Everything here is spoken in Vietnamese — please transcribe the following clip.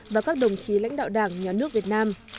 và các đồng chí lãnh đạo đảng nhà nước việt nam